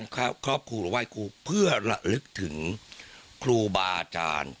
ครอบครัวหรือไหว้ครูเพื่อระลึกถึงครูบาอาจารย์